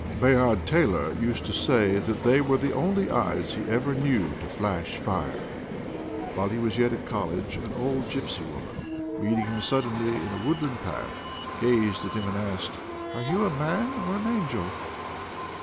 Bayard Taylor used to say that they were the only eyes he ever knew to flash fire. ... While he was yet at college, an old gypsy woman, meeting him suddenly in a woodland path, gazed at him and asked, —" 'Are you a man, or an angel?